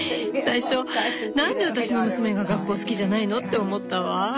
最初「何で私の娘が学校好きじゃないの？」って思ったわ。